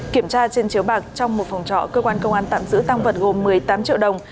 kiểm tra trên chiếu bạc trong một phòng trọ cơ quan công an tạm giữ tăng vật gồm một mươi tám triệu đồng